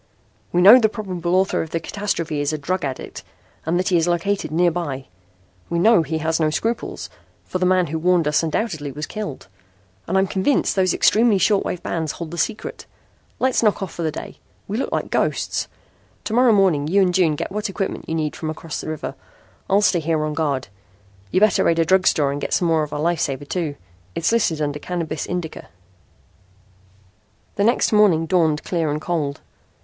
"We know the probable author of the catastrophe is a drug addict and that he is located nearby. We know he has no scruples, for the man who warned us undoubtedly was killed. And I'm convinced those extremely short wave bands hold the secret. Let's knock off for the day. We look like ghosts. To morrow morning you and June get what equipment you need from across the river. I'll stay here on guard. You'd better raid a drug store and get some more of our life saver, too. It's listed under Cannabis Indica." The next morning dawned clear and cold.